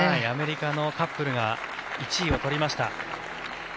アメリカのカップルが１位を取りました。